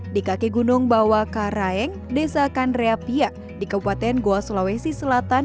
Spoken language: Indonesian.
di kaki gunung bawah karaeng desa kandreapia di kabupaten goa sulawesi selatan